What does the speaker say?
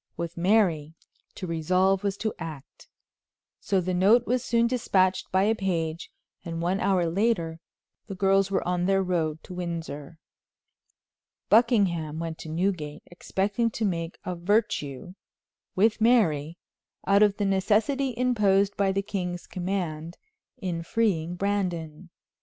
With Mary, to resolve was to act; so the note was soon dispatched by a page, and one hour later the girls were on their road to Windsor. Buckingham went to Newgate, expecting to make a virtue, with Mary, out of the necessity imposed by the king's command, in freeing Brandon.